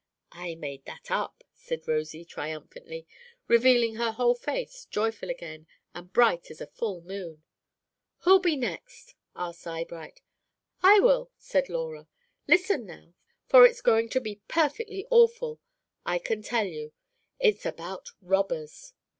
"I made that up!" said Rosy, triumphantly revealing her whole face, joyful again, and bright as a full moon. "Who'll be next?" asked Eyebright. "I will," said Laura. "Listen now, for it's going to be perfectly awful, I can tell you. It's about robbers."